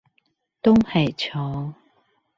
東海橋